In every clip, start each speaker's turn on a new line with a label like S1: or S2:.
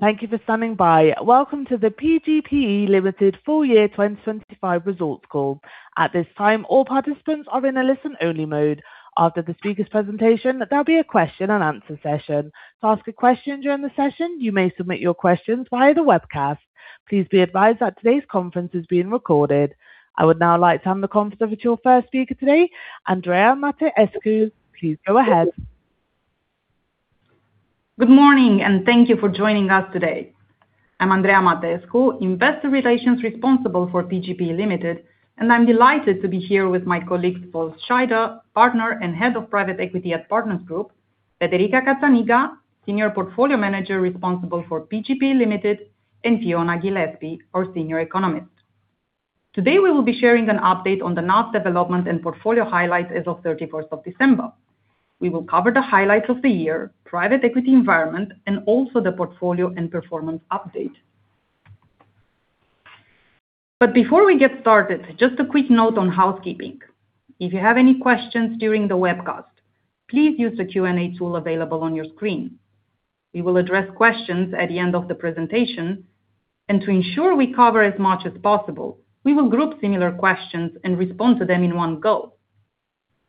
S1: Thank you for standing by. Welcome to the PGPE Limited Full Year 2025 Results Call. At this time, all participants are in a listen-only mode. After the speaker's presentation, there'll be a question and answer session. To ask a question during the session, you may submit your questions via the webcast. Please be advised that today's conference is being recorded. I would now like to hand the conference over to your first speaker today, Andreea Mateescu. Please go ahead.
S2: Good morning, and thank you for joining us today. I'm Andreea Mateescu, Investor Relations responsible for PGPE Limited, and I'm delighted to be here with my colleagues, Wolf-Henning Scheider, Partner and Head of Private Equity at Partners Group, Federica Cazzaniga, Senior Portfolio Manager responsible for PGPE Limited, and Fiona Gillespie, our Senior Economist. Today we will be sharing an update on the NAV development and portfolio highlights as of 31 December. We will cover the highlights of the year, private equity environment, and also the portfolio and performance update. Before we get started, just a quick note on housekeeping. If you have any questions during the webcast, please use the Q&A tool available on your screen. We will address questions at the end of the presentation, and to ensure we cover as much as possible, we will group similar questions and respond to them in one go.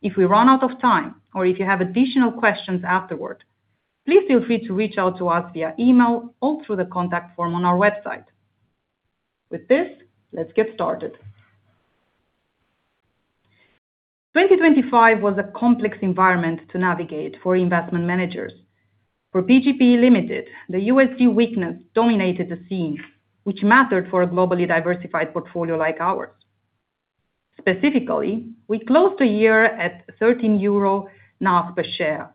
S2: If we run out of time or if you have additional questions afterward, please feel free to reach out to us via email or through the contact form on our website. With this, let's get started. 2025 was a complex environment to navigate for investment managers. For PGPE Limited, the USD weakness dominated the scene, which mattered for a globally diversified portfolio like ours. Specifically, we closed the year at 13 euro NAV per share,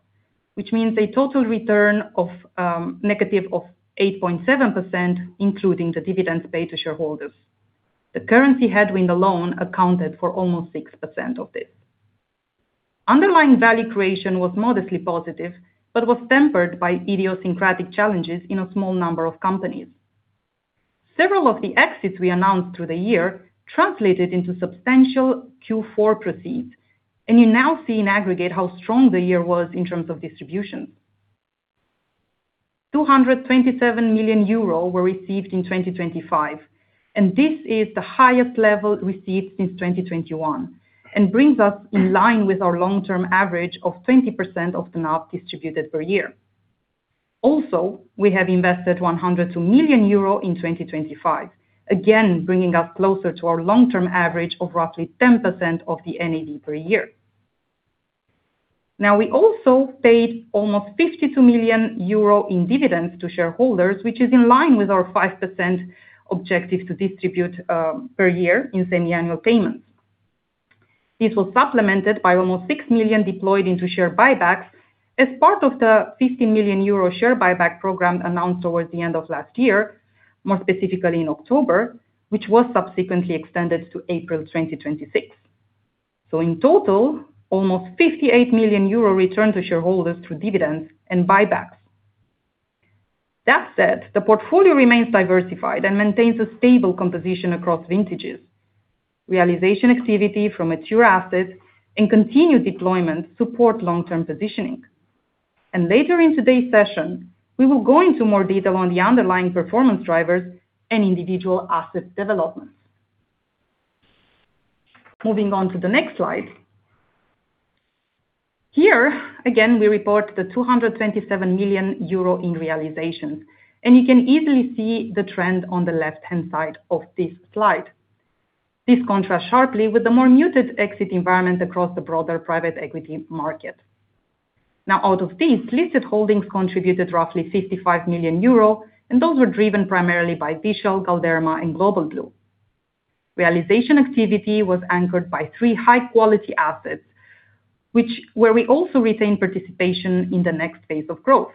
S2: which means a total return of -8.7%, including the dividends paid to shareholders. The currency headwind alone accounted for almost 6% of this. Underlying value creation was modestly positive but was tempered by idiosyncratic challenges in a small number of companies. Several of the exits we announced through the year translated into substantial Q4 proceeds, and you now see in aggregate how strong the year was in terms of distributions. 227 million euro were received in 2025, and this is the highest level received since 2021 and brings us in line with our long-term average of 20% of the NAV distributed per year. Also, we have invested 102 million euro in 2025, again bringing us closer to our long-term average of roughly 10% of the NAV per year. Now, we also paid almost 52 million euro in dividends to shareholders, which is in line with our 5% objective to distribute per year in semi-annual payments. This was supplemented by almost 6 million deployed into share buybacks as part of the 50 million euro share buyback program announced towards the end of last year, more specifically in October, which was subsequently extended to April 2026. In total, almost 58 million euro returned to shareholders through dividends and buybacks. That said, the portfolio remains diversified and maintains a stable composition across vintages. Realization activity from mature assets and continued deployment support long-term positioning. Later in today's session, we will go into more detail on the underlying performance drivers and individual asset developments. Moving on to the next slide. Here again, we report the 227 million euro in realizations, and you can easily see the trend on the left-hand side of this slide. This contrasts sharply with the more muted exit environment across the broader private equity market. Now, out of these, listed holdings contributed roughly 55 million euro, and those were driven primarily by Vishal, Galderma and Global Blue. Realization activity was anchored by three high-quality assets, which we also retain participation in the next phase of growth.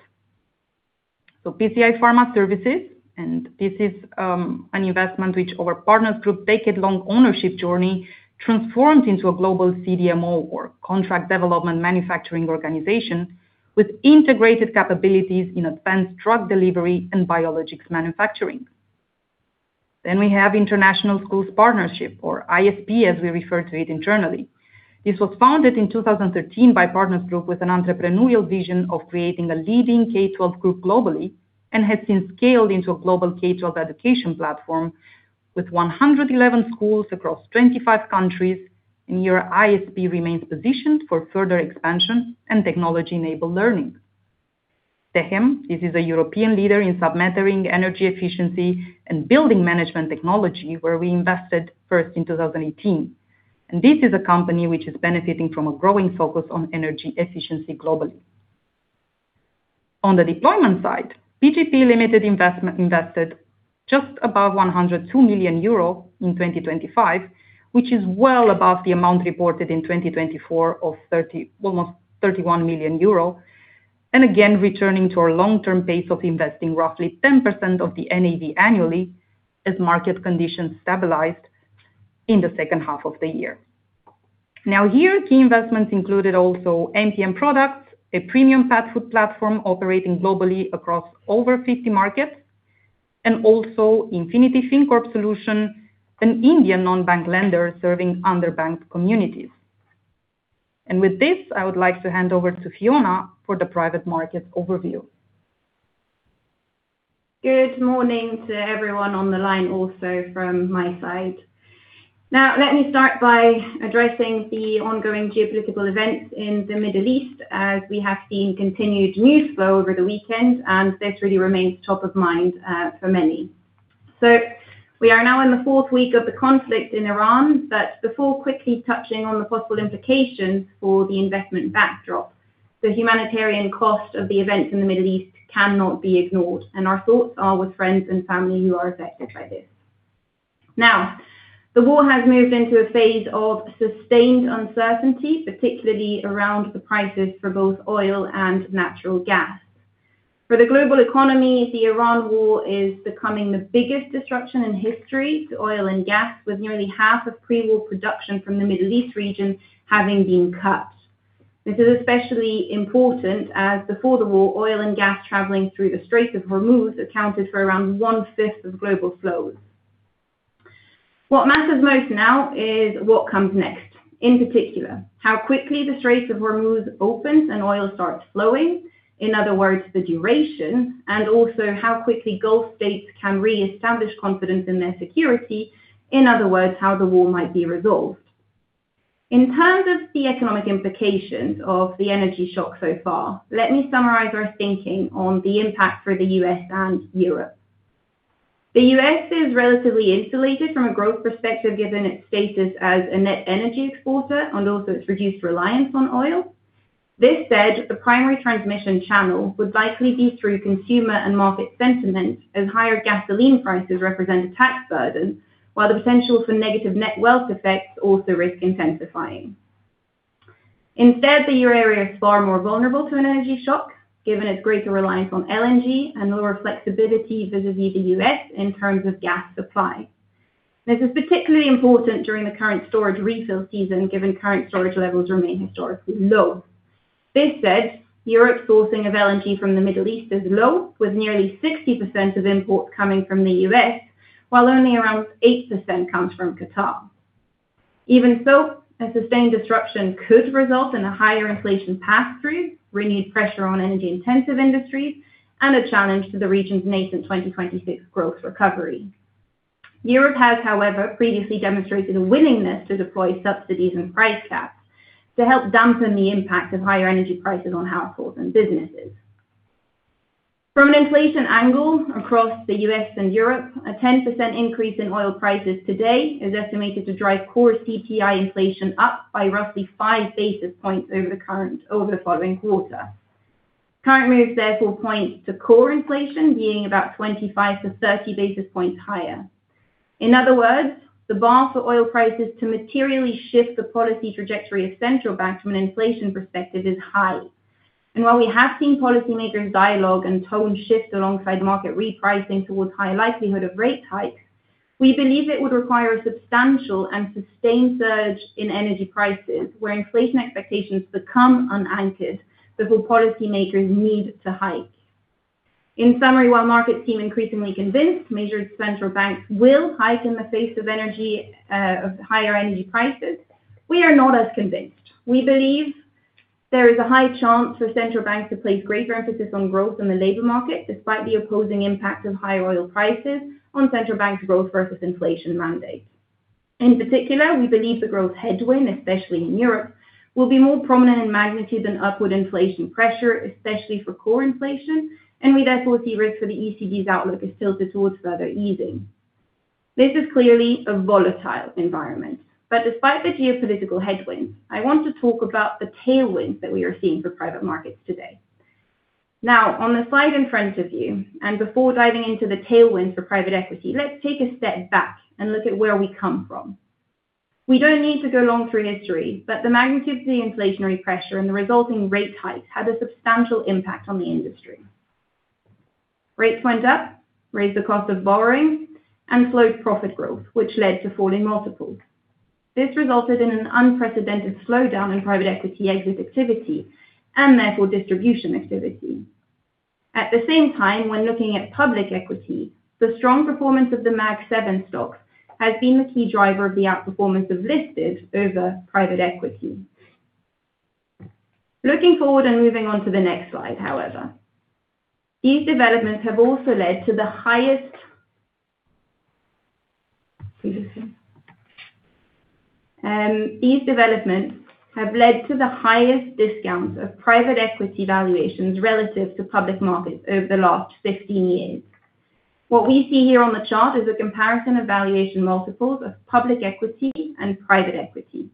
S2: PCI Pharma Services, and this is, an investment which our Partners Group decade-long ownership journey transformed into a global CDMO or Contract Development and Manufacturing Organization with integrated capabilities in advanced drug delivery and biologics manufacturing. We have International Schools Partnership, or ISP, as we refer to it internally. This was founded in 2013 by Partners Group with an entrepreneurial vision of creating a leading K-12 group globally and has since scaled into a global K-12 education platform with 111 schools across 25 countries, and our ISP remains positioned for further expansion and technology-enabled learning. Techem, this is a European leader in submetering energy efficiency and building management technology, where we invested first in 2018. This is a company which is benefiting from a growing focus on energy efficiency globally. On the deployment side, PGPE Limited invested just above 102 million euro in 2025, which is well above the amount reported in 2024 of almost 31 million euro. Again, returning to our long-term pace of investing roughly 10% of the NAV annually as market conditions stabilized in the second half of the year. Now here, key investments included also MPM Products, a premium pet food platform operating globally across over 50 markets, and also Infinity Fincorp Solutions, an Indian non-bank lender serving underbanked communities. With this, I would like to hand over to Fiona for the private market overview.
S3: Good morning to everyone on the line, also from my side. Now, let me start by addressing the ongoing geopolitical events in the Middle East, as we have seen continued news flow over the weekend, and this really remains top of mind, for many. We are now in the fourth week of the conflict in Iran, but before quickly touching on the possible implications for the investment backdrop, the humanitarian cost of the events in the Middle East cannot be ignored, and our thoughts are with friends and family who are affected by this. Now, the war has moved into a phase of sustained uncertainty, particularly around the prices for both oil and natural gas. For the global economy, the Iran war is becoming the biggest disruption in history to oil and gas, with nearly half of pre-war production from the Middle East region having been cut. This is especially important as before the war, oil and gas traveling through the Strait of Hormuz accounted for around one-fifth of global flows. What matters most now is what comes next. In particular, how quickly the Strait of Hormuz opens and oil starts flowing. In other words, the duration, and also how quickly Gulf states can reestablish confidence in their security. In other words, how the war might be resolved. In terms of the economic implications of the energy shock so far, let me summarize our thinking on the impact for the U.S. and Europe. The U.S. is relatively insulated from a growth perspective, given its status as a net energy exporter and also its reduced reliance on oil. That said, the primary transmission channel would likely be through consumer and market sentiment as higher gasoline prices represent a tax burden, while the potential for negative net wealth effects also risk intensifying. Instead, the euro area is far more vulnerable to an energy shock, given its greater reliance on LNG and lower flexibility vis-à-vis the U.S. in terms of gas supply. This is particularly important during the current storage refill season, given current storage levels remain historically low. That said, Europe's sourcing of LNG from the Middle East is low, with nearly 60% of imports coming from the U.S., while only around 8% comes from Qatar. Even so, a sustained disruption could result in a higher inflation pass-through, renewed pressure on energy-intensive industries, and a challenge to the region's nascent 2026 growth recovery. Europe has, however, previously demonstrated a willingness to deploy subsidies and price caps to help dampen the impact of higher energy prices on households and businesses. From an inflation angle across the U.S. and Europe, a 10% increase in oil prices today is estimated to drive core CPI inflation up by roughly 5 basis points over the following quarter. Current moves therefore point to core inflation being about 25-30 basis points higher. In other words, the bar for oil prices to materially shift the policy trajectory of central banks from an inflation perspective is high. While we have seen policymakers dialogue and tone shift alongside market repricing towards higher likelihood of rate hikes, we believe it would require a substantial and sustained surge in energy prices where inflation expectations become unanchored before policymakers need to hike. In summary, while markets seem increasingly convinced major central banks will hike in the face of higher energy prices, we are not as convinced. We believe there is a high chance for central banks to place greater emphasis on growth in the labor market, despite the opposing impact of higher oil prices on central banks growth versus inflation mandates. In particular, we believe the growth headwind, especially in Europe, will be more prominent in magnitude than upward inflation pressure, especially for core inflation, and we therefore see risk for the ECB's outlook is tilted towards further easing. This is clearly a volatile environment. Despite the geopolitical headwind, I want to talk about the tailwind that we are seeing for private markets today. Now, on the slide in front of you, and before diving into the tailwind for private equity, let's take a step back and look at where we come from. We don't need to go long through history, but the magnitude of the inflationary pressure and the resulting rate hikes had a substantial impact on the industry. Rates went up, raised the cost of borrowing, and slowed profit growth, which led to falling multiples. This resulted in an unprecedented slowdown in private equity exit activity and therefore distribution activity. At the same time, when looking at public equity, the strong performance of the Magnificent Seven stocks has been the key driver of the outperformance of listed over private equity. Looking forward and moving on to the next slide, however, these developments have also led to the highest. These developments have led to the highest discounts of private equity valuations relative to public markets over the last 15 years. What we see here on the chart is a comparison of valuation multiples of public equity and private equity.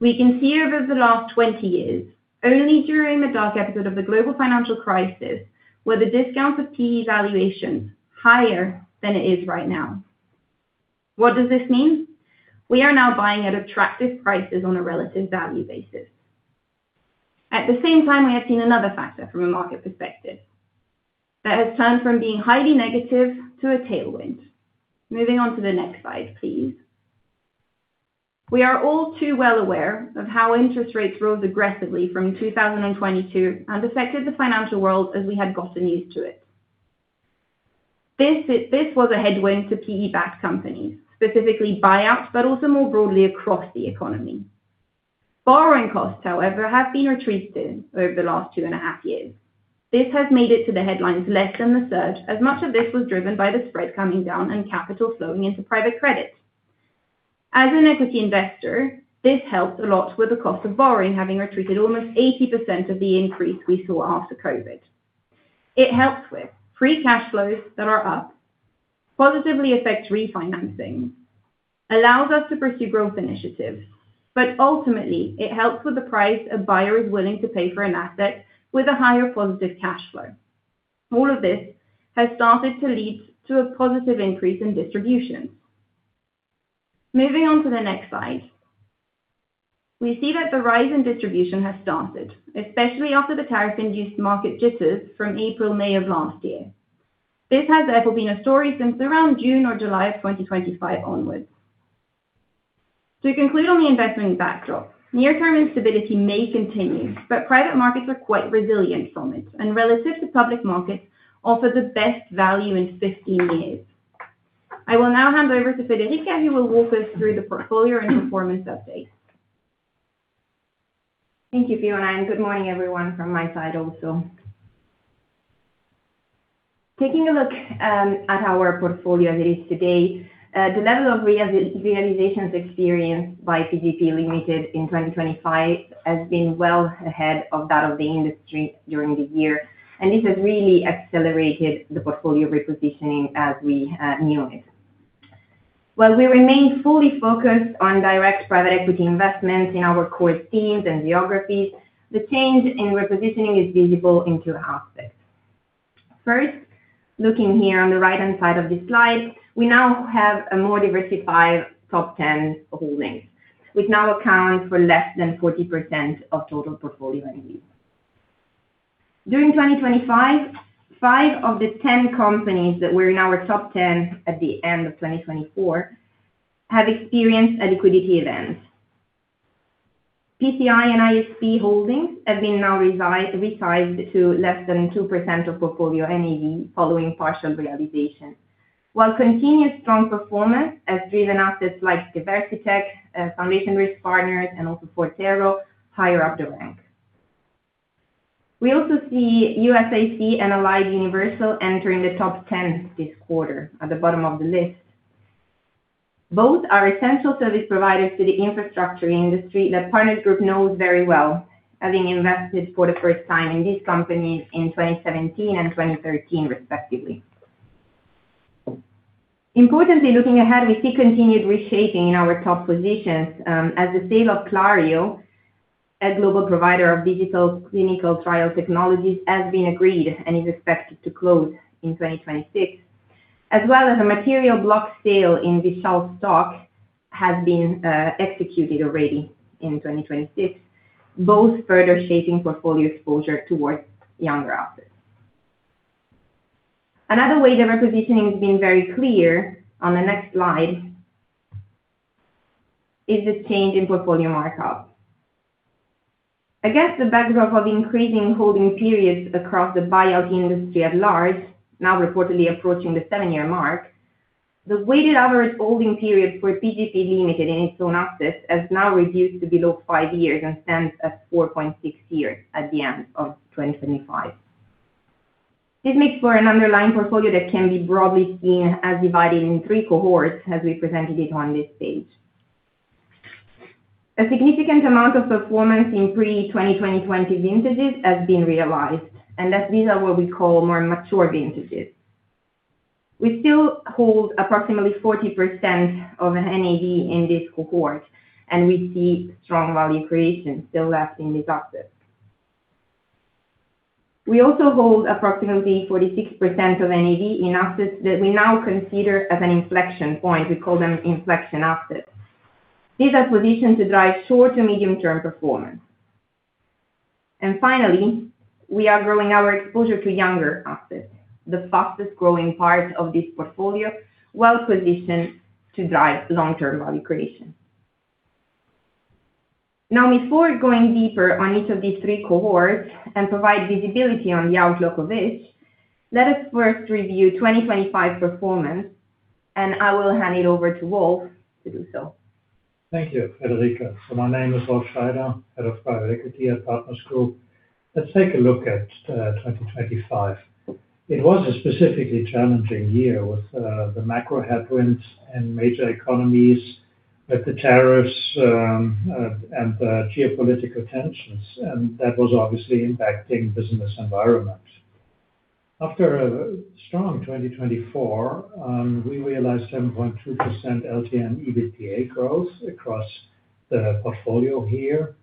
S3: We can see over the last 20 years, only during the dark episode of the global financial crisis were the discounts of PE valuation higher than it is right now. What does this mean? We are now buying at attractive prices on a relative value basis. At the same time, we have seen another factor from a market perspective that has turned from being highly negative to a tailwind. Moving on to the next slide, please. We are all too well aware of how interest rates rose aggressively from 2022 and affected the financial world as we had gotten used to it. This was a headwind to PE-backed companies, specifically buyouts, but also more broadly across the economy. Borrowing costs, however, have been retreated over the last 2.5 years. This has made it to the headlines less than the surge, as much of this was driven by the spread coming down and capital flowing into private credit. As an equity investor, this helps a lot with the cost of borrowing, having retreated almost 80% of the increase we saw after COVID. It helps with free cash flows that are up, positively affect refinancing, allows us to pursue growth initiatives, but ultimately it helps with the price a buyer is willing to pay for an asset with a higher positive cash flow. All of this has started to lead to a positive increase in distribution. Moving on to the next slide. We see that the rise in distribution has started, especially after the tariff-induced market jitters from April, May of last year. This has therefore been a story since around June or July of 2025 onwards. To conclude on the investment backdrop, near-term instability may continue, but private markets are quite resilient from it, and relative to public markets offer the best value in 15 years. I will now hand over to Federica, who will walk us through the portfolio and performance update.
S4: Thank you, Fiona, and good morning everyone from my side also. Taking a look at our portfolio as it is today, the level of realizations experienced by PGPE Limited in 2025 has been well ahead of that of the industry during the year, and this has really accelerated the portfolio repositioning as we knew it. While we remain fully focused on direct private equity investments in our core themes and geographies, the change in repositioning is visible in two aspects. First, looking here on the right-hand side of this slide, we now have a more diversified top 10 holdings, which now account for less than 40% of total portfolio NAV. During 2025, five of the 10 companies that were in our top 10 at the end of 2024 have experienced a liquidity event. PCI and ISP holdings have been now resized to less than 2% of portfolio NAV following partial realization. While continuous strong performance has driven assets like DiversiTech, Foundation Risk Partners, and also Forterro higher up the rank. We also see USAC and Allied Universal entering the top 10 this quarter at the bottom of the list. Both are essential service providers to the infrastructure industry that Partners Group knows very well, having invested for the first time in these companies in 2017 and 2013 respectively. Importantly, looking ahead, we see continued reshaping in our top positions, as the sale of Clario, a global provider of digital clinical trial technologies, has been agreed and is expected to close in 2026, as well as a material block sale in Vishal Mega Mart has been executed already in 2026, both further shaping portfolio exposure towards younger assets. Another way the repositioning has been very clear, on the next slide, is the change in portfolio mark-up. Against the backdrop of increasing holding periods across the buyout industry at large, now reportedly approaching the 7-year mark, the weighted average holding period for PGPE Limited in its own assets has now reduced to below 5 years and stands at 4.6 years at the end of 2025. This makes for an underlying portfolio that can be broadly seen as divided in three cohorts as we presented it on this page. A significant amount of performance in pre-2020 vintages has been realized, and that these are what we call more mature vintages. We still hold approximately 40% of NAV in this cohort, and we see strong value creation still left in these assets. We also hold approximately 46% of NAV in assets that we now consider as an inflection point. We call them inflection assets. These are positioned to drive short to medium term performance. Finally, we are growing our exposure to younger assets, the fastest growing part of this portfolio, well-positioned to drive long-term value creation. Now, before going deeper on each of these three cohorts and provide visibility on the outlook of each, let us first review 2025 performance, and I will hand it over to Wolf to do so.
S5: Thank you, Federica. My name is Wolf-Henning Scheider, Head of Private Equity at Partners Group. Let's take a look at 2025. It was a specifically challenging year with the macro headwinds in major economies, with the tariffs and the geopolitical tensions, and that was obviously impacting business environment. After a strong 2024, we realized 7.2% LTM EBITDA growth across the portfolio here.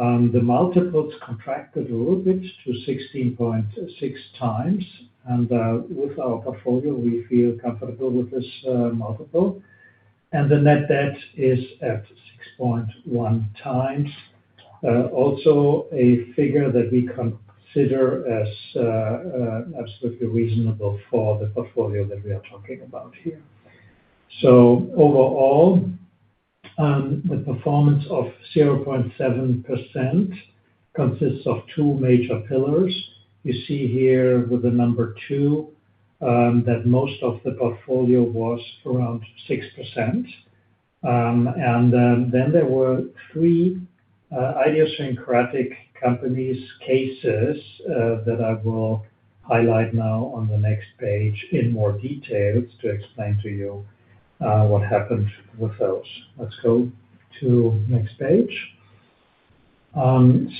S5: The multiples contracted a little bit to 16.6x and with our portfolio we feel comfortable with this multiple. The net debt is at 6.1x. Also a figure that we consider as absolutely reasonable for the portfolio that we are talking about here. Overall, the performance of 0.7% consists of two major pillars. You see here with the number two that most of the portfolio was around 6%. There were three idiosyncratic companies cases that I will highlight now on the next page in more details to explain to you what happened with those. Let's go to next page. KinderCare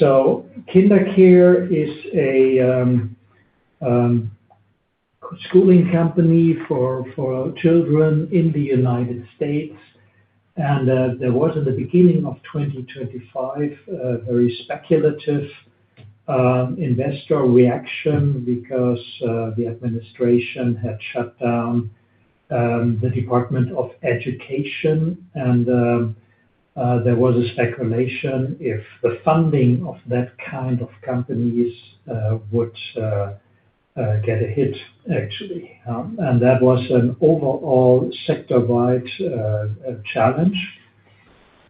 S5: is a schooling company for children in the United States. There was, at the beginning of 2025, a very speculative investor reaction because the administration had shut down the Department of Education and there was a speculation if the funding of that kind of companies would get a hit actually. That was an overall sector-wide challenge.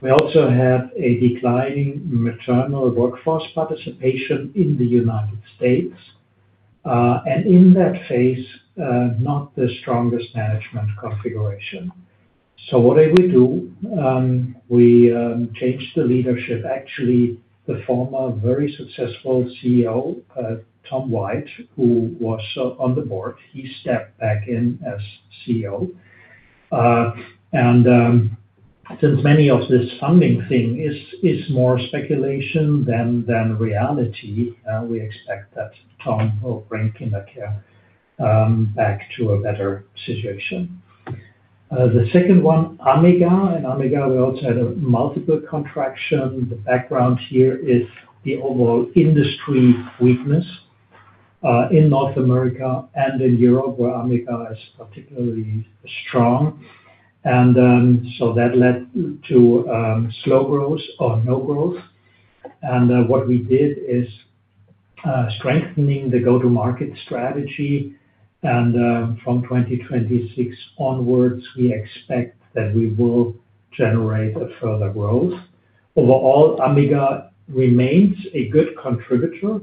S5: We also had a declining maternal workforce participation in the United States. In that phase, not the strongest management configuration. What did we do? We changed the leadership. Actually, the former very successful CEO, Tom Wyatt, who was on the board, he stepped back in as CEO. Since many of this funding thing is more speculation than reality, we expect that Tom will bring KinderCare back to a better situation. The second one, AMMEGA. In AMMEGA, we also had a multiple contraction. The background here is the overall industry weakness in North America and in Europe, where AMMEGA is particularly strong. That led to slow growth or no growth. What we did is strengthening the go-to-market strategy and from 2026 onwards, we expect that we will generate a further growth. Overall, AMMEGA remains a good contributor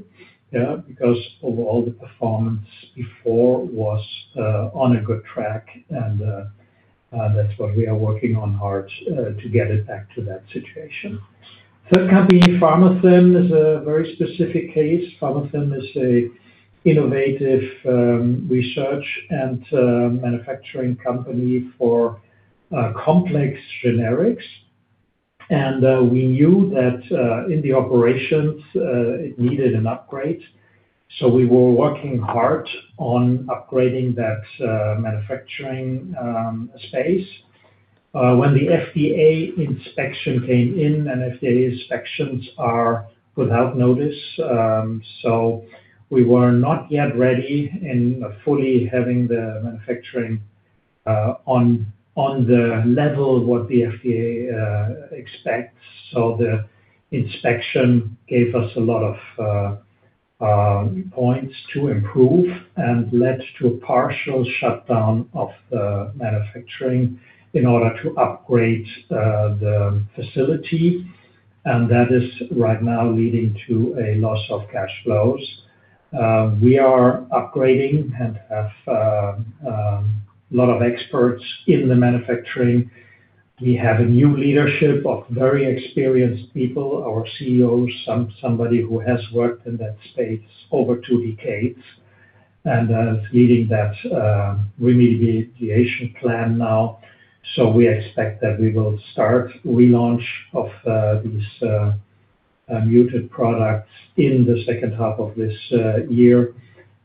S5: because overall the performance before was on a good track and that's what we are working on hard to get it back to that situation. Third company, Pharmathen, is a very specific case. Pharmathen is an innovative research and manufacturing company for complex generics. We knew that in the operations it needed an upgrade, so we were working hard on upgrading that manufacturing space. When the FDA inspection came in, and FDA inspections are without notice, so we were not yet ready in fully having the manufacturing on the level what the FDA expects. The inspection gave us a lot of points to improve and led to a partial shutdown of the manufacturing in order to upgrade the facility, and that is right now leading to a loss of cash flows. We are upgrading and have a lot of experts in the manufacturing. We have a new leadership of very experienced people. Our CEO is somebody who has worked in that space over two decades and is leading that remediation plan now. We expect that we will start relaunch of these mature products in the second half of this year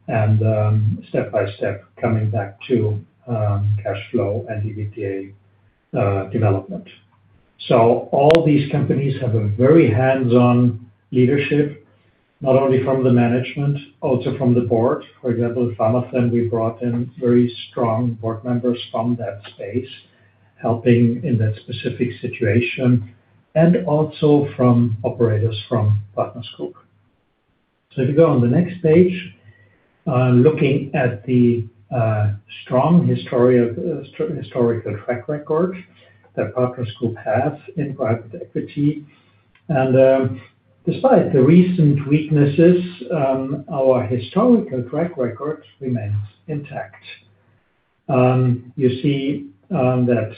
S5: and step by step coming back to cash flow and EBITDA development. All these companies have a very hands-on leadership, not only from the management, also from the board. For example, in Pharmathen, we brought in very strong board members from that space, helping in that specific situation, and also from operators from Partners Group. If you go on the next page, looking at the strong historical track record that Partners Group have in private equity. Despite the recent weaknesses, our historical track record remains intact. You see that,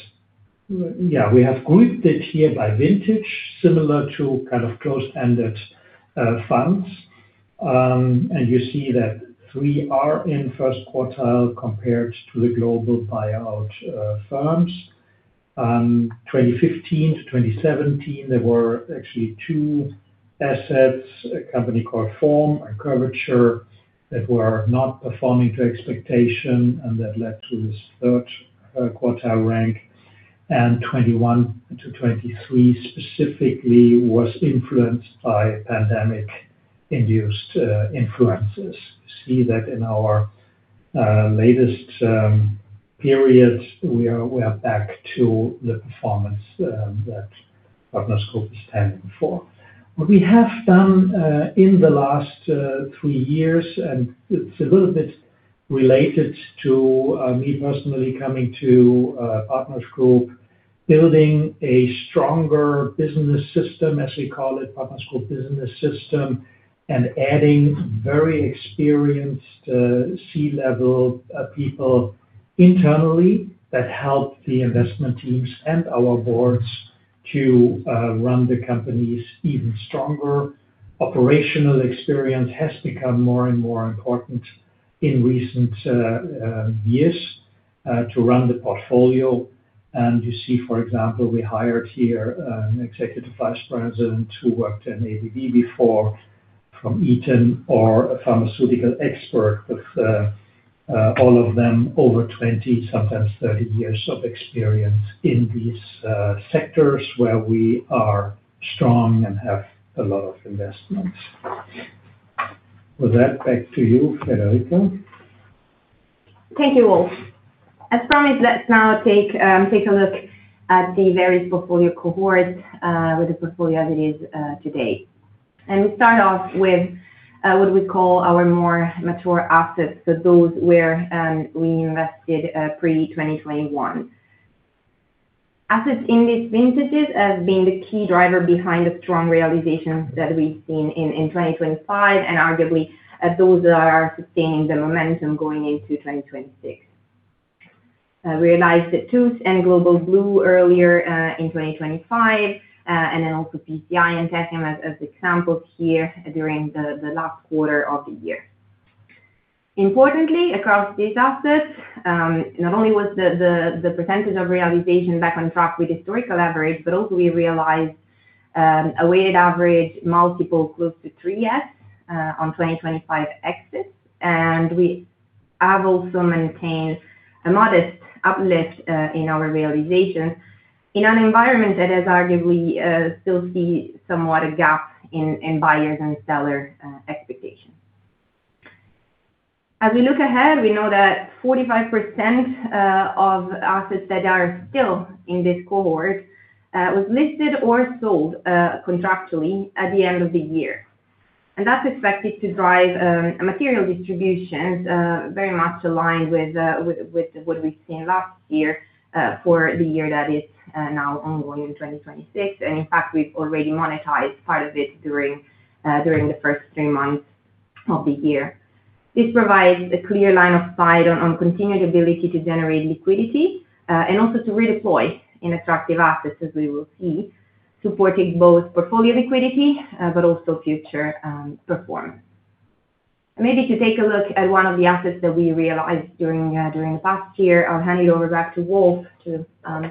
S5: yeah, we have grouped it here by vintage, similar to kind of closed-ended funds. You see that we are in first quartile compared to the global buyout firms. 2015 to 2017, there were actually two assets, a company called Form Technologies and Curvature, that were not performing to expectation and that led to this third quartile rank. 2021 to 2023 specifically was influenced by pandemic-induced influences. You see that in our latest periods, we are back to the performance that Partners Group stands for. What we have done in the last three years, and it's a little bit related to me personally coming to Partners Group, building a stronger business system, as we call it, Partners Group business system, and adding very experienced C-level people internally that help the investment teams and our boards to run the companies even stronger. Operational experience has become more and more important in recent years to run the portfolio. You see, for example, we hired here, executive vice president who worked in ABB before from Eaton or a pharmaceutical expert with all of them over 20, sometimes 30 years of experience in these sectors where we are strong and have a lot of investments. With that, back to you, Federica.
S4: Thank you, Wolf. As promised, let's now take a look at the various portfolio cohorts with the portfolio as it is today. We start off with what we call our more mature assets, so those where we invested pre-2021. Assets in these vintages have been the key driver behind the strong realizations that we've seen in 2025, and arguably those that are sustaining the momentum going into 2026. Realized Tethys and Global Blue earlier in 2025, and then also PCI and Techem as examples here during the last quarter of the year. Importantly, across these assets, not only was the percentage of realization back on track with historical average, but also we realized a weighted average multiple close to 3x on 2025 exits. We have also maintained a modest uplift in our realization in an environment that has arguably still seen somewhat a gap in buyers and sellers expectations. As we look ahead, we know that 45% of assets that are still in this cohort was listed or sold contractually at the end of the year. That's expected to drive a material distributions very much aligned with what we've seen last year for the year that is now ongoing in 2026. In fact, we've already monetized part of it during the first three months of the year. This provides a clear line of sight on continued ability to generate liquidity, and also to redeploy in attractive assets, as we will see, supporting both portfolio liquidity, but also future performance. Maybe to take a look at one of the assets that we realized during the past year, I'll hand it over back to Wolf to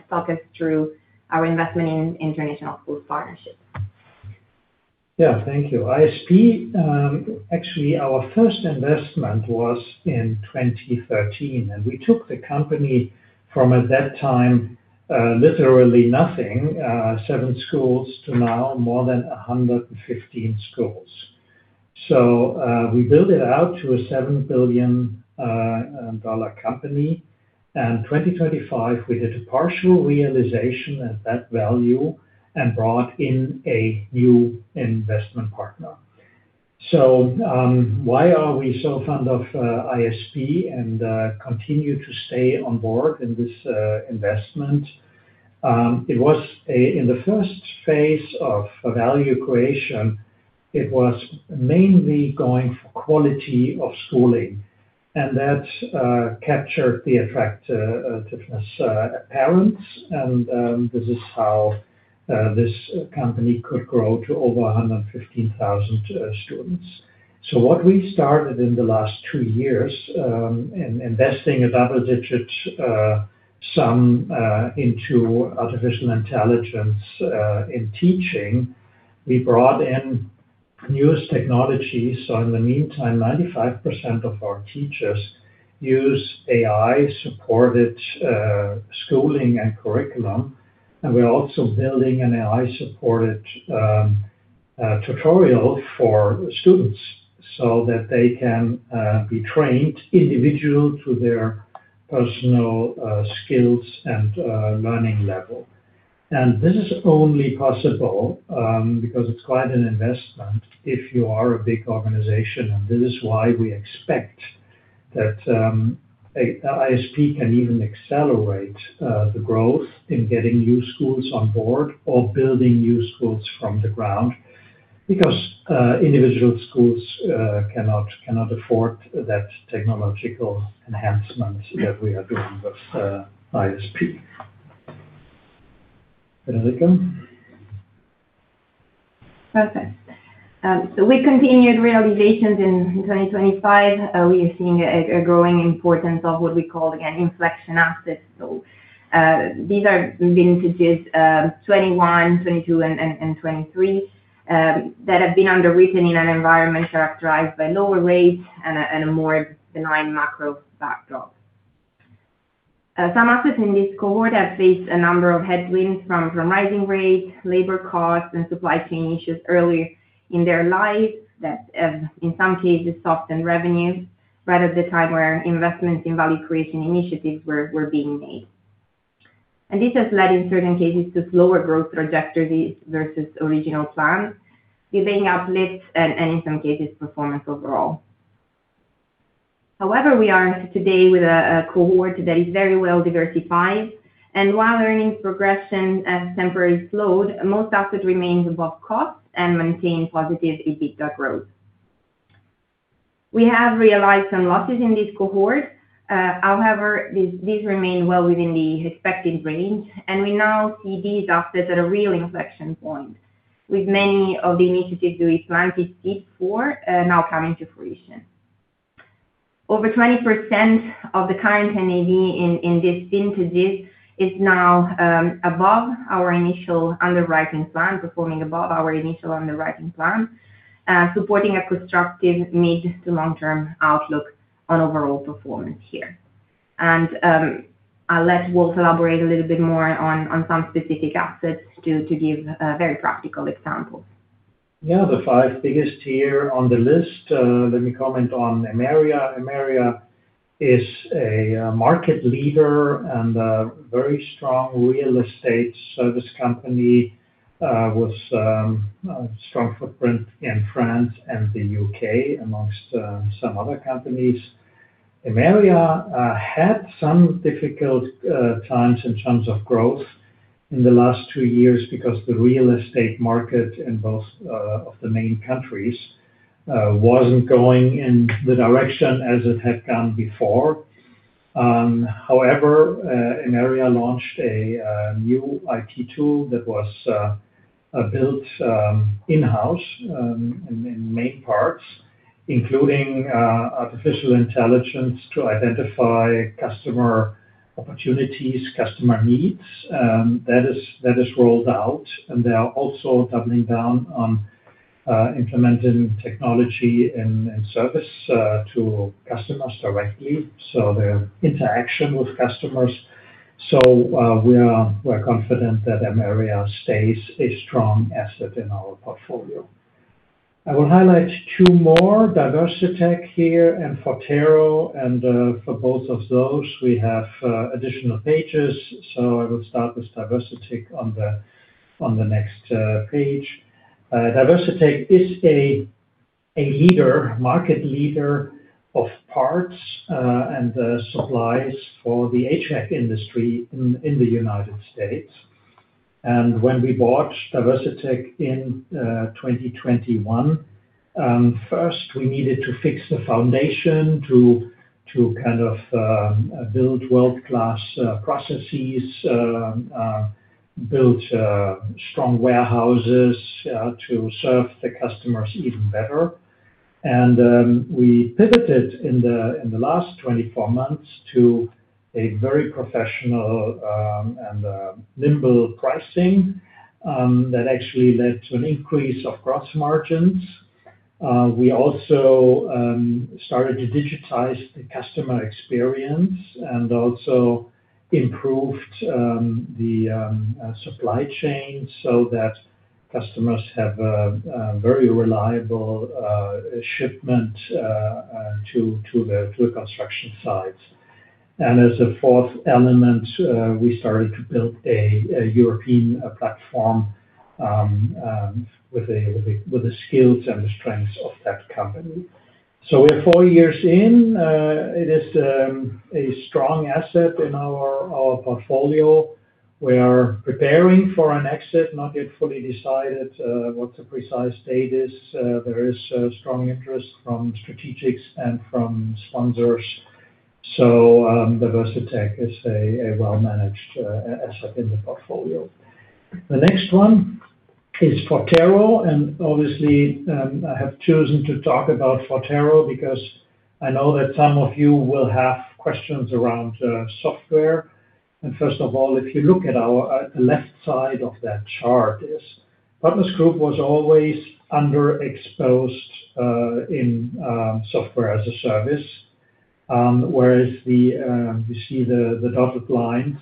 S4: talk us through our investment in International Schools Partnership.
S5: Yeah. Thank you. ISP, actually our first investment was in 2013, and we took the company from, at that time, literally nothing, 7 schools, to now more than 115 schools. We built it out to a $7 billion company. In 2025, we did a partial realization at that value and brought in a new investment partner. Why are we so fond of ISP and continue to stay on board in this investment? In the first phase of value creation, it was mainly going for quality of schooling, and that captured the attractive, different parents. This is how this company could grow to over 115,000 students. What we started in the last two years in investing a double-digit sum into artificial intelligence in teaching, we brought in newest technology. In the meantime, 95% of our teachers use AI-supported schooling and curriculum. We're also building an AI-supported tutorial for students so that they can be trained individual to their personal skills and learning level. This is only possible because it's quite an investment if you are a big organization. This is why we expect that ISP can even accelerate the growth in getting new schools on board or building new schools from the ground because individual schools cannot afford that technological enhancements that we are doing with ISP. Federica.
S4: Perfect. We continued realizations in 2025. We are seeing a growing importance of what we call, again, inflection assets. These are vintages 2021, 2022, and 2023 that have been underwritten in an environment characterized by lower rates and a more benign macro backdrop. Some assets in this cohort have faced a number of headwinds from rising rates, labor costs, and supply chain issues early in their life that have, in some cases, softened revenues right at the time where investments in value creation initiatives were being made. This has led in certain cases to slower growth trajectories versus original plans, delaying uplifts and in some cases, performance overall. However, we are today with a cohort that is very well diversified, and while earnings progression has temporarily slowed, most assets remains above cost and maintain positive EBITDA growth. We have realized some losses in this cohort. These remain well within the expected range, and we now see these assets at a real inflection point, with many of the initiatives we planted seed for, now coming to fruition. Over 20% of the current NAV in these vintages is now above our initial underwriting plan, performing above our initial underwriting plan, supporting a constructive mid to long-term outlook on overall performance here. I'll let Wolf elaborate a little bit more on some specific assets to give very practical examples.
S5: Yeah. The five biggest here on the list, let me comment on Emeria. Emeria is a market leader and a very strong real estate service company with a strong footprint in France and the UK among some other companies. Emeria had some difficult times in terms of growth in the last two years because the real estate market in most of the main countries wasn't going in the direction as it had gone before. However, Emeria launched a new IT tool that was built in-house in main parts, including artificial intelligence to identify customer opportunities, customer needs, that is rolled out. They are also doubling down on implementing technology and service to customers directly, so their interaction with customers. We're confident that Emeria stays a strong asset in our portfolio. I will highlight two more, DiversiTech here and Forterro, and for both of those, we have additional pages. I will start with DiversiTech on the next page. DiversiTech is a market leader of parts and supplies for the HVAC industry in the United States. When we bought DiversiTech in 2021, first we needed to fix the foundation to kind of build world-class processes, build strong warehouses to serve the customers even better. We pivoted in the last 24 months to a very professional and nimble pricing that actually led to an increase of gross margins. We also started to digitize the customer experience and also improved the supply chain so that customers have a very reliable shipment to the construction sites. As a fourth element, we started to build a European platform with the skills and the strengths of that company. We're four years in. It is a strong asset in our portfolio. We are preparing for an exit, not yet fully decided what the precise date is. There is a strong interest from strategics and from sponsors. DiversiTech is a well-managed asset in the portfolio. The next one is Forterro, and obviously, I have chosen to talk about Forterro because I know that some of you will have questions around software. First of all, if you look at the left side of that chart, Partners Group was always underexposed in software as a service, whereas you see the dotted lines,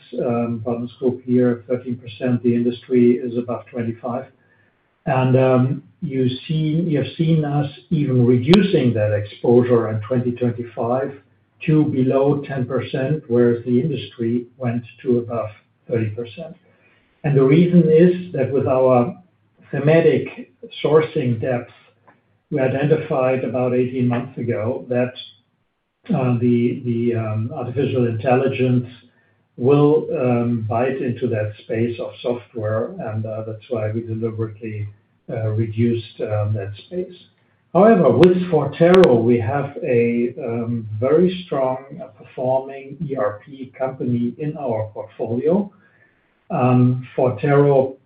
S5: Partners Group here, 13%, the industry is above 25%. You've seen us even reducing that exposure in 2025 to below 10%, whereas the industry went to above 30%. The reason is that with our thematic sourcing depth, we identified about 18 months ago that the artificial intelligence will bite into that space of software, and that's why we deliberately reduced that space. However, with Forterro, we have a very strong performing ERP company in our portfolio. Forterro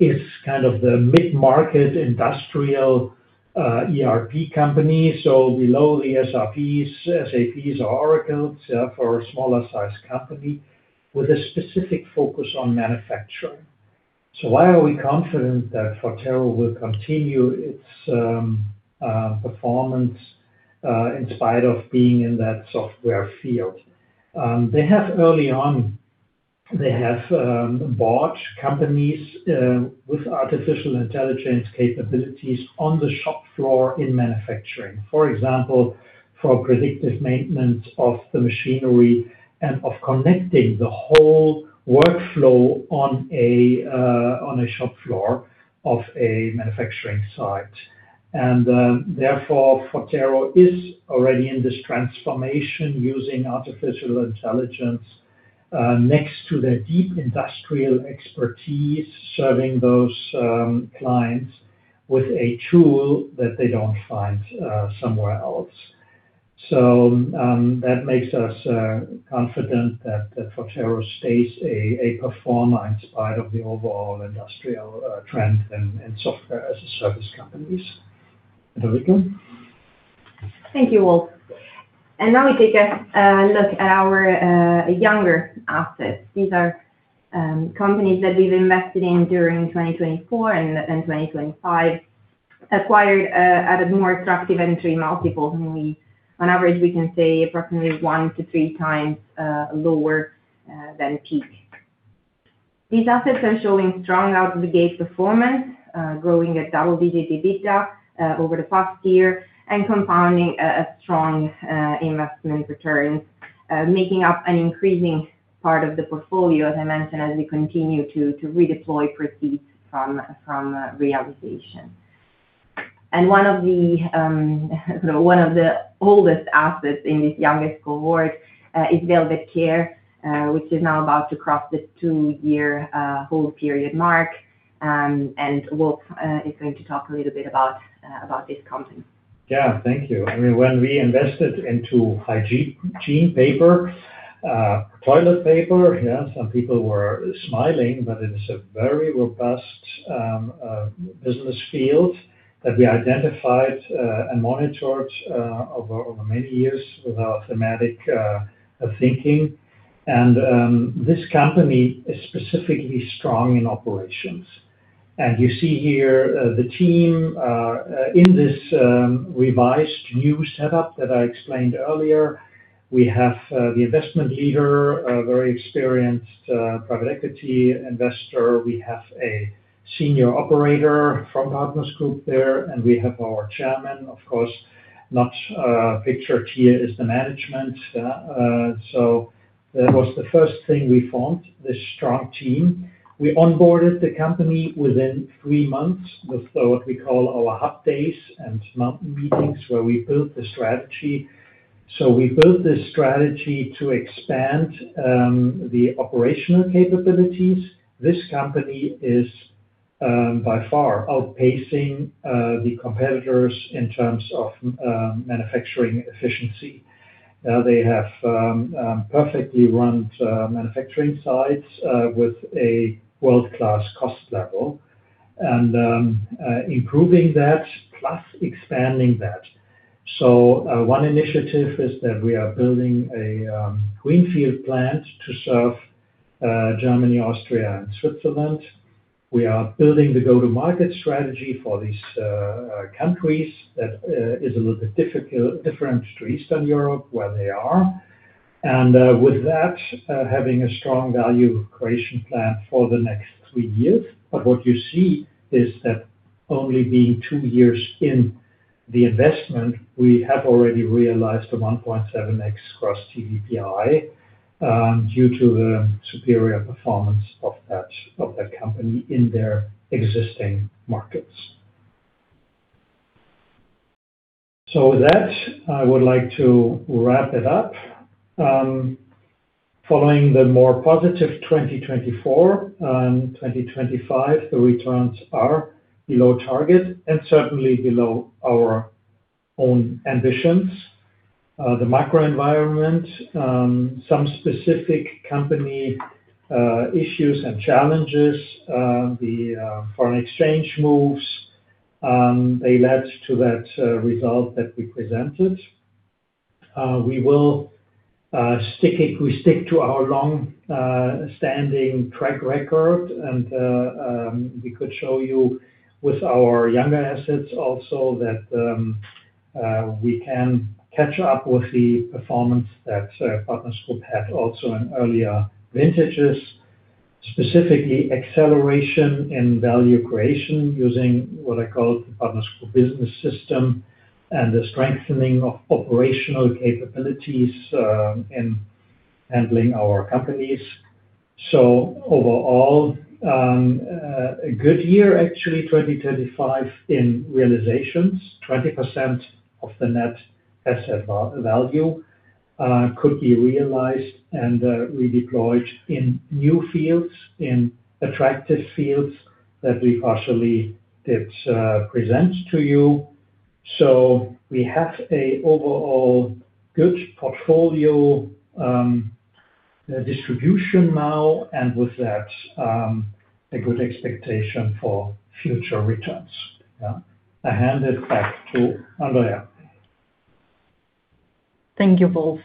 S5: is kind of the mid-market industrial ERP company, so below the ERPs, SAPs or Oracles for a smaller sized company with a specific focus on manufacturing. Why are we confident that Forterro will continue its performance in spite of being in that software field? They have early on bought companies with artificial intelligence capabilities on the shop floor in manufacturing. For example, for predictive maintenance of the machinery and of connecting the whole workflow on a shop floor of a manufacturing site. Therefore, Forterro is already in this transformation using artificial intelligence next to their deep industrial expertise, serving those clients with a tool that they don't find somewhere else. that makes us confident that Forterro stays a performer in spite of the overall industrial trend and software as a service companies. Federica.
S4: Thank you, Wolf. Now we take a look at our younger assets. These are companies that we've invested in during 2024 and 2025, acquired at a more attractive entry multiple, and on average, we can say approximately 1-3 times lower than peak. These assets are showing strong out-of-the-gate performance, growing at double-digit EBITDA over the past year and compounding a strong investment return, making up an increasing part of the portfolio, as I mentioned, as we continue to redeploy proceeds from realization. One of the oldest assets in this youngest cohort is Velvet CARE, which is now about to cross the 2-year hold period mark. Wolf is going to talk a little bit about this company.
S5: Thank you. I mean, when we invested into hygiene paper, toilet paper, some people were smiling, but it's a very robust business field that we identified and monitored over many years with our thematic thinking. This company is specifically strong in operations. You see here the team in this revised new setup that I explained earlier. We have the investment leader, a very experienced private equity investor. We have a senior operator from Partners Group there, and we have our chairman, of course. Not pictured here is the management. So that was the first thing we formed, this strong team. We onboarded the company within three months with what we call our hub days and mountain meetings, where we built the strategy. We built this strategy to expand the operational capabilities. This company is by far outpacing the competitors in terms of manufacturing efficiency. They have perfectly run manufacturing sites with a world-class cost level, improving that plus expanding that. One initiative is that we are building a greenfield plant to serve Germany, Austria, and Switzerland. We are building the go-to-market strategy for these countries that is a little bit different to Eastern Europe, where they are, with that having a strong value creation plan for the next three years. What you see is that only being 2 years in the investment, we have already realized the 1.7x gross TVPI due to the superior performance of that company in their existing markets. With that, I would like to wrap it up. Following the more positive 2024 and 2025, the returns are below target and certainly below our own ambitions. The macro environment, some specific company issues and challenges, the foreign exchange moves, they led to that result that we presented. We stick to our long-standing track record and we could show you with our younger assets also that we can catch up with the performance that Partners Group had also in earlier vintages, specifically acceleration and value creation using what I call the Partners Group business system and the strengthening of operational capabilities in handling our companies. Overall, a good year, actually, 2025 in realizations. 20% of the net asset value could be realized and redeployed in new fields, in attractive fields that we partially did present to you. We have an overall good portfolio distribution now, and with that, a good expectation for future returns. Yeah. I hand it back to Andreea.
S2: Thank you, Wolf.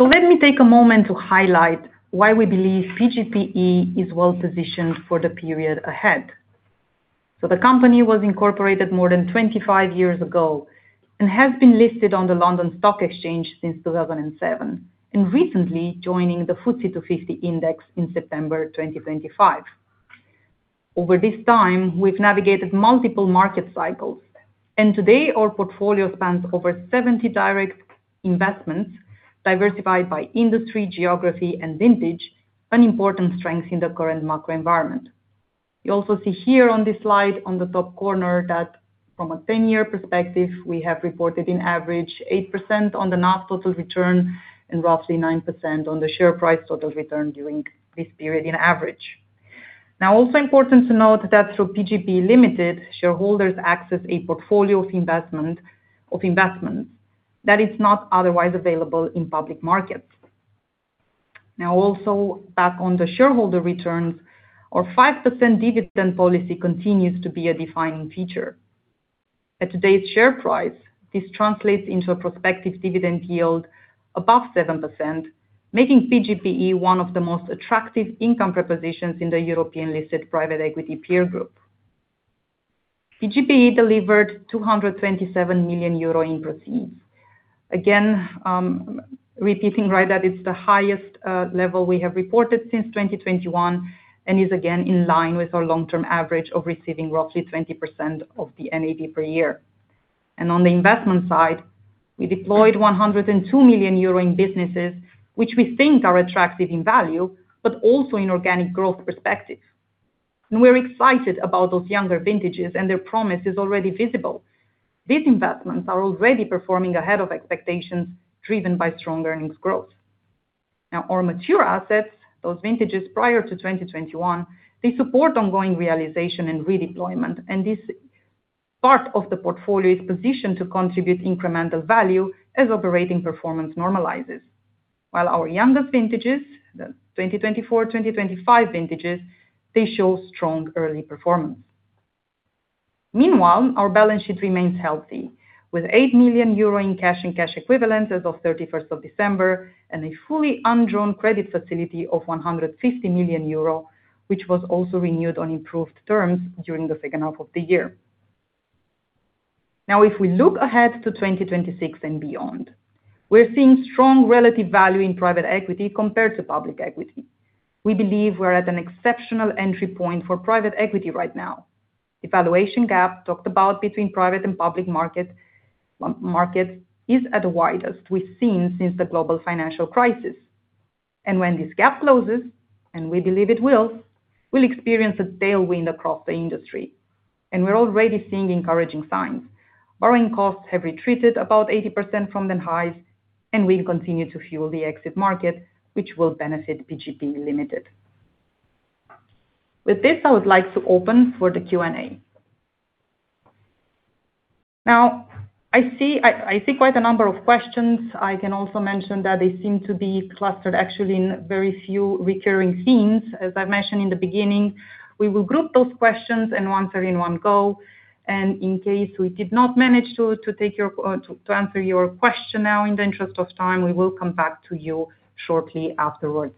S2: Let me take a moment to highlight why we believe PGPE is well-positioned for the period ahead. The company was incorporated more than 25 years ago and has been listed on the London Stock Exchange since 2007, and recently joining the FTSE 250 index in September 2025. Over this time, we've navigated multiple market cycles, and today our portfolio spans over 70 direct investments diversified by industry, geography and vintage and important strengths in the current macro environment. You also see here on this slide on the top corner that from a 10-year perspective, we have reported an average 8% on the NAV total return and roughly 9% on the share price total return during this period on average. Now, also important to note that through PGPE Limited, shareholders access a portfolio of investments that is not otherwise available in public markets. Now, also back on the shareholder returns our 5% dividend policy continues to be a defining feature. At today's share price, this translates into a prospective dividend yield above 7%, making PGPE one of the most attractive income propositions in the European listed private equity peer group. PGPE delivered 227 million euro in proceeds. Again, repeating right that it's the highest level we have reported since 2021 and is again in line with our long term average of receiving roughly 20% of the NAV per year. On the investment side, we deployed 102 million euro in businesses which we think are attractive in value but also in organic growth perspectives. We're excited about those younger vintages and their promise is already visible. These investments are already performing ahead of expectations, driven by strong earnings growth. Our mature assets, those vintages prior to 2021, support ongoing realization and redeployment, and this part of the portfolio is positioned to contribute incremental value as operating performance normalizes. Our youngest vintages, the 2024,2025 vintages, show strong early performance. Our balance sheet remains healthy, with 8 million euro in cash and cash equivalents as of December 31, and a fully undrawn credit facility of 150 million euro, which was also renewed on improved terms during the second half of the year. If we look ahead to 2026 and beyond, we're seeing strong relative value in private equity compared to public equity. We believe we're at an exceptional entry point for private equity right now. The valuation gap between private and public markets is at the widest we've seen since the global financial crisis. When this gap closes, and we believe it will, we'll experience a tailwind across the industry. We're already seeing encouraging signs. Borrowing costs have retreated about 80% from the highs, and we continue to fuel the exit market, which will benefit PGPE Limited. With this, I would like to open for the Q&A. Now I see quite a number of questions. I can also mention that they seem to be clustered actually in very few recurring themes. As I mentioned in the beginning, we will group those questions and answer in one go, and in case we did not manage to answer your question now in the interest of time, we will come back to you shortly afterwards.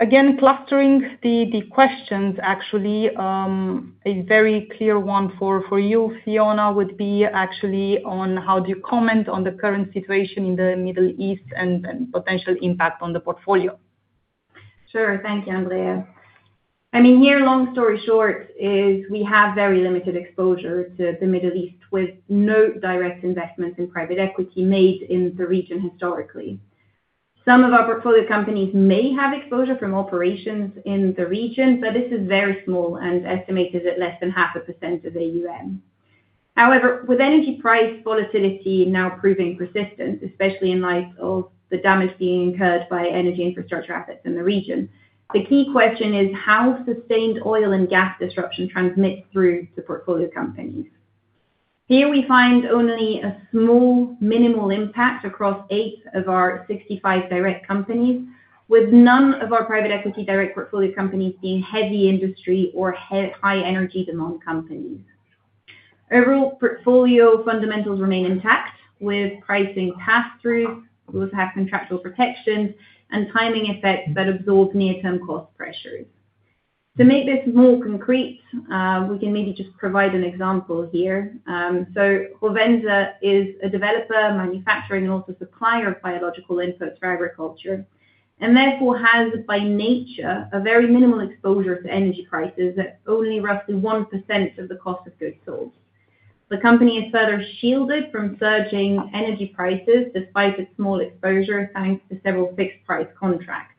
S2: Again, clustering the questions actually, a very clear one for you, Fiona, would be actually on how do you comment on the current situation in the Middle East and potential impact on the portfolio?
S3: Sure. Thank you, Andreea. I mean, here, long story short is we have very limited exposure to the Middle East with no direct investments in private equity made in the region historically. Some of our portfolio companies may have exposure from operations in the region, but this is very small and estimated at less than 0.5% of AUM. However, with energy price volatility now proving persistent, especially in light of the damage being incurred by energy infrastructure assets in the region, the key question is how sustained oil and gas disruption transmits through the portfolio companies. Here we find only a small minimal impact across 8 of our 65 direct companies, with none of our private equity direct portfolio companies being heavy industry or high energy demand companies. Overall portfolio fundamentals remain intact, with pricing pass-through. Those have contractual protections and timing effects that absorb near-term cost pressures. To make this more concrete, we can maybe just provide an example here. Rovensa is a developer, manufacturing and also supplier of biological inputs for agriculture, and therefore has by nature a very minimal exposure to energy prices at only roughly 1% of the cost of goods sold. The company is further shielded from surging energy prices despite its small exposure, thanks to several fixed price contracts.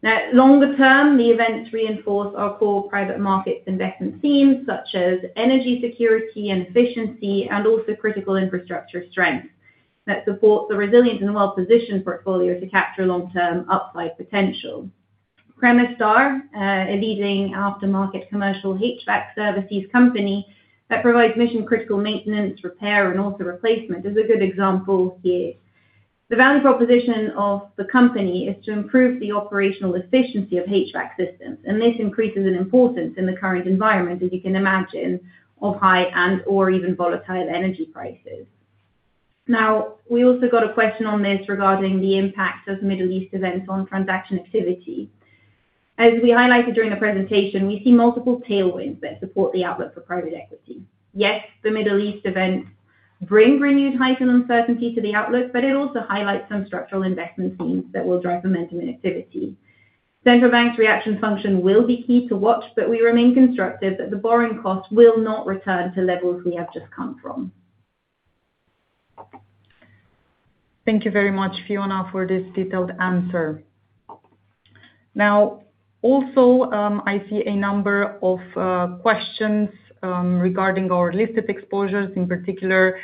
S3: Now, longer term, the events reinforce our core private market investment themes such as energy security and efficiency and also critical infrastructure strength that supports the resilient and well-positioned portfolio to capture long term upside potential. PremiStar, a leading aftermarket commercial HVAC services company that provides mission critical maintenance, repair and also replacement is a good example here. The value proposition of the company is to improve the operational efficiency of HVAC systems, and this increases in importance in the current environment, as you can imagine, of high and/or even volatile energy prices. Now, we also got a question on this regarding the impact of Middle East events on transaction activity. As we highlighted during the presentation, we see multiple tailwinds that support the outlook for private equity. Yes, the Middle East events bring renewed heightened uncertainty to the outlook, but it also highlights some structural investment themes that will drive momentum and activity. Central bank's reaction function will be key to watch, but we remain constructive that the borrowing cost will not return to levels we have just come from.
S2: Thank you very much, Fiona, for this detailed answer. Now, also, I see a number of questions regarding our listed exposures in particular.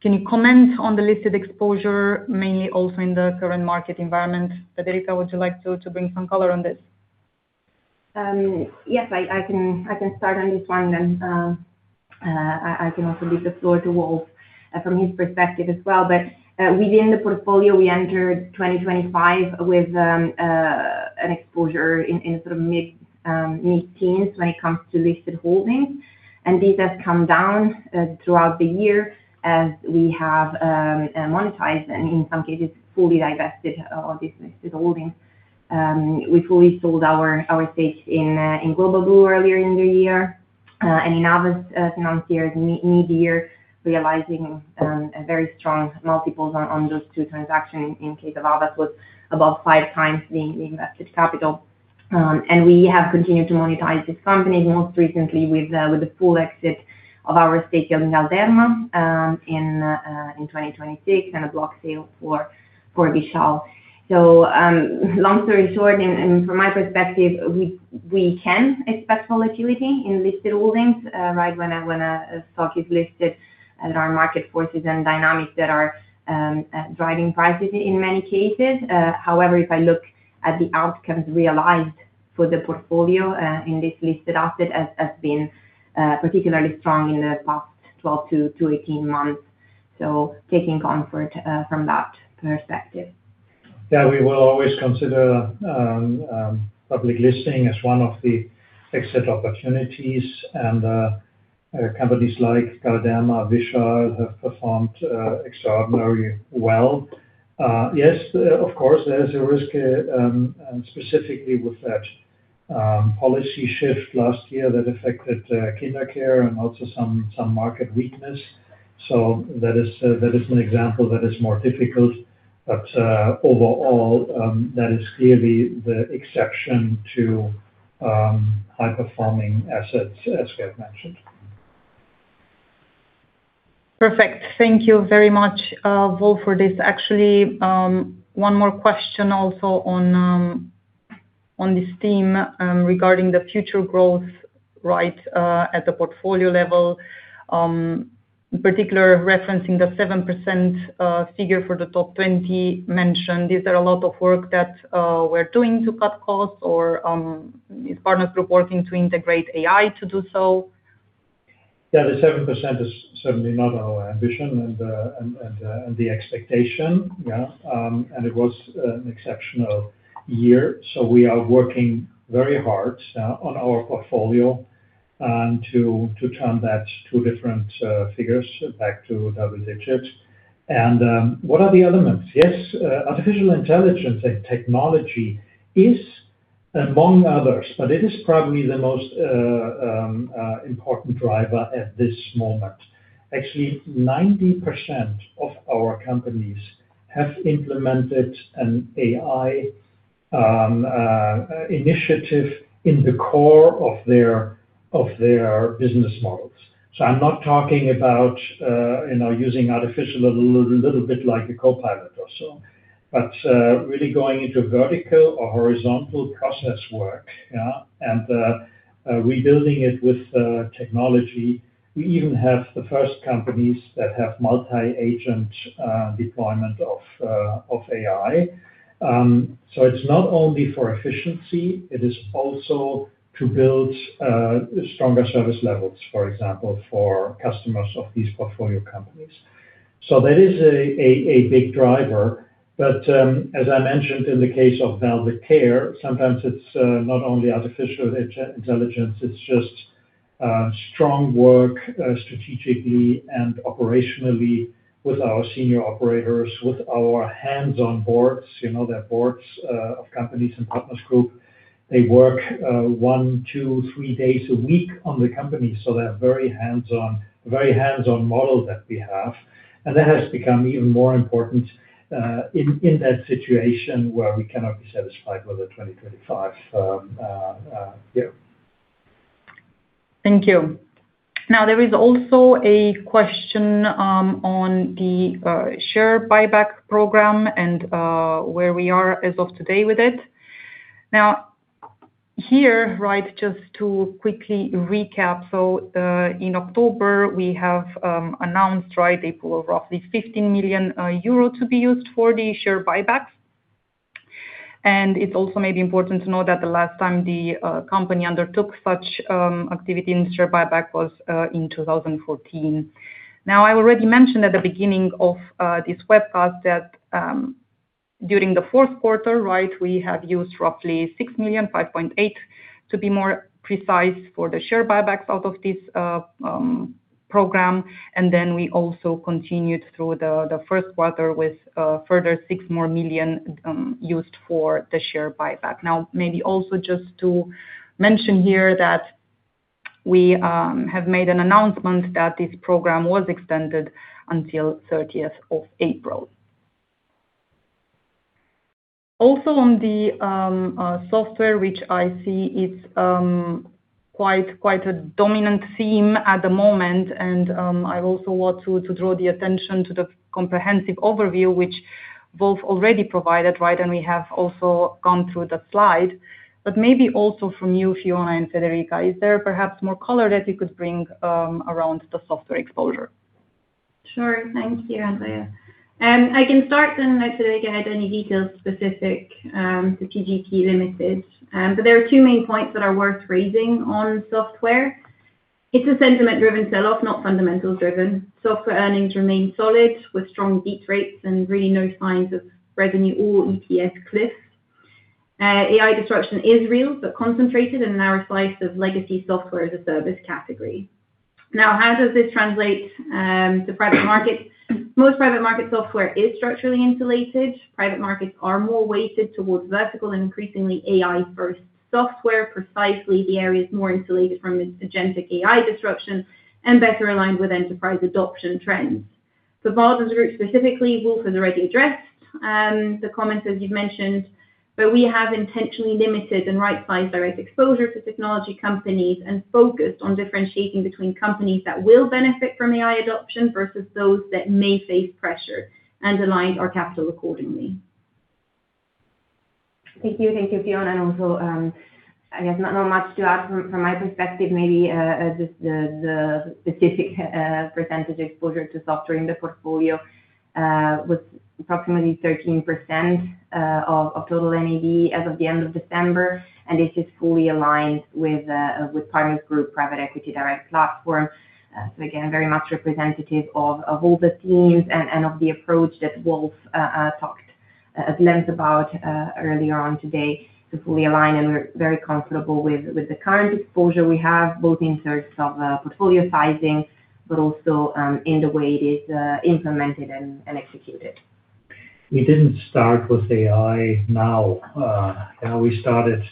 S2: Can you comment on the listed exposure mainly also in the current market environment? Federica, would you like to bring some color on this?
S4: Yes, I can start on this one and I can also leave the floor to Wolf from his perspective as well. Within the portfolio, we entered 2025 with an exposure in sort of mid-teens when it comes to listed holdings. This has come down throughout the year as we have monetized and in some cases fully divested of these listed holdings. We fully sold our stake in Global Blue earlier in the year and in Aavas Financiers midyear, realizing a very strong multiple on those two transactions. In case of Aavas it was above 5x the invested capital. We have continued to monetize these companies most recently with the full exit of our stake in Galderma in 2026 and a block sale for Vishal. Long story short, from my perspective, we can expect volatility in listed holdings right when a stock is listed, and there are market forces and dynamics that are driving prices in many cases. However, if I look at the outcomes realized for the portfolio, in this listed asset has been particularly strong in the past 12 to 18 months. Taking comfort from that perspective.
S5: Yeah. We will always consider public listing as one of the exit opportunities and companies like Galderma, Vishal have performed extraordinarily well. Yes, of course, there's a risk specifically with that policy shift last year that affected KinderCare and also some market weakness. That is an example that is more difficult. Overall, that is clearly the exception to high-performing assets, as Federica mentioned.
S2: Perfect. Thank you very much, Wolf, for this. Actually, one more question also on this theme, regarding the future growth right, at the portfolio level, in particular referencing the 7% figure for the top 20 mentioned. Is there a lot of work that we're doing to cut costs or is Partners Group working to integrate AI to do so?
S5: Yeah. The 7% is certainly not our ambition and the expectation, yeah. It was an exceptional year, so we are working very hard on our portfolio to turn those two different figures back to double digits. What are the elements? Yes, artificial intelligence and technology is among others, but it is probably the most important driver at this moment. Actually, 90% of our companies have implemented an AI initiative in the core of their business models. So I'm not talking about, you know, using artificial a little bit like a Copilot or so, but really going into vertical or horizontal process work, yeah, and rebuilding it with technology. We even have the first companies that have multi-agent deployment of AI. It's not only for efficiency, it is also to build stronger service levels, for example, for customers of these portfolio companies. That is a big driver. As I mentioned in the case of Velvet CARE, sometimes it's not only artificial intelligence, it's just strong work strategically and operationally with our senior operators, with our hands-on boards. You know, the boards of companies and Partners Group, they work 1 to 3 days a week on the company, so they're very hands-on model that we have. That has become even more important in that situation where we cannot be satisfied with the 2025 year.
S2: Thank you. Now, there is also a question on the share buyback program and where we are as of today with it. Now, here, right, just to quickly recap. In October, we have announced, right, a pool of roughly 15 million euro to be used for the share buybacks. It also may be important to note that the last time the company undertook such activity in the share buyback was in 2014. Now, I already mentioned at the beginning of this webcast that during the fourth quarter, right, we have used roughly 6.58 million to be more precise for the share buybacks out of this program. Then we also continued through the first quarter with further 6 more million used for the share buyback. Now, maybe also just to mention here that we have made an announcement that this program was extended until 30th of April. Also on the software, which I see is quite a dominant theme at the moment. I also want to draw the attention to the comprehensive overview which both already provided, right? We have also gone through the slide, but maybe also from you, Fiona and Federica, is there perhaps more color that you could bring around the software exposure?
S3: Sure. Thank you, Andreea. There are two main points that are worth raising on software. It's a sentiment-driven sell-off, not fundamental-driven. Software earnings remain solid with strong beat rates and really no signs of revenue or EBITDA cliffs. AI disruption is real but concentrated in a narrow slice of legacy software as a service category. Now, how does this translate to private market? Most private market software is structurally insulated. Private markets are more weighted towards vertical and increasingly AI first software, precisely the areas more insulated from its agentic AI disruption and better aligned with enterprise adoption trends. Partners Group specifically, Wolf has already addressed the comments as you've mentioned, but we have intentionally limited and right-sized direct exposure to technology companies and focused on differentiating between companies that will benefit from AI adoption versus those that may face pressure and aligned our capital accordingly.
S4: Thank you. Thank you, Fiona. Also, I guess not much to add from my perspective. Maybe just the specific percentage exposure to software in the portfolio was approximately 13% of total NAV as of the end of December. This is fully aligned with Partners Group private equity direct platform. Again, very much representative of all the teams and of the approach that Wolf talked at length about earlier on today to fully align. We're very comfortable with the current exposure we have, both in terms of portfolio sizing but also in the way it is implemented and executed.
S5: We didn't start with AI now. We started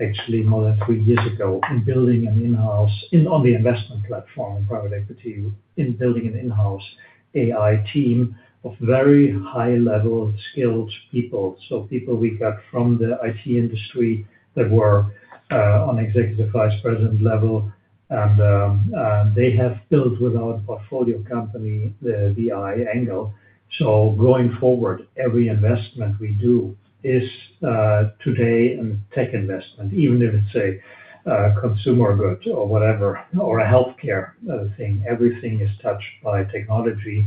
S5: actually more than three years ago on the investment platform, private equity, in building an in-house AI team of very high-level skilled people. People we got from the IT industry that were on executive vice president level, and they have built with our portfolio company the AI angle. Going forward, every investment we do is today a tech investment, even if it's a consumer good or whatever or a healthcare thing. Everything is touched by technology.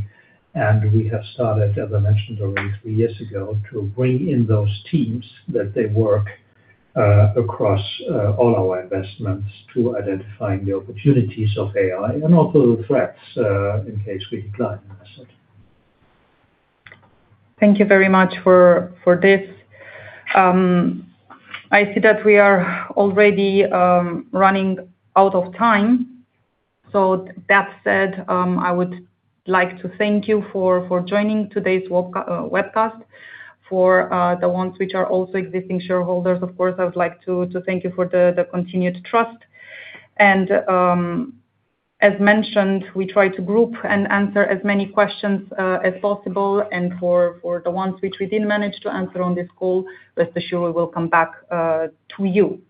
S5: We have started, as I mentioned already, three years ago, to bring in those teams that they work across all our investments to identifying the opportunities of AI and also the threats in case we decline an asset.
S2: Thank you very much for this. I see that we are already running out of time. With that said, I would like to thank you for joining today's webcast. For the ones which are also existing shareholders, of course, I would like to thank you for the continued trust. As mentioned, we try to group and answer as many questions as possible. For the ones which we didn't manage to answer on this call, rest assured we'll come back to you.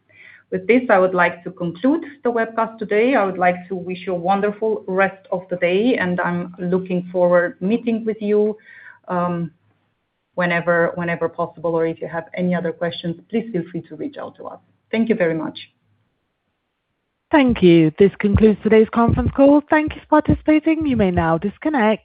S2: With this, I would like to conclude the webcast today. I would like to wish you a wonderful rest of the day, and I'm looking forward to meeting with you whenever possible or if you have any other questions, please feel free to reach out to us. Thank you very much.
S1: Thank you. This concludes today's conference call. Thank you for participating. You may now disconnect.